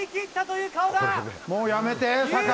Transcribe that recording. もうやめて、酒井。